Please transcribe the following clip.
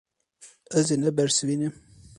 Ez ê nebersivînim.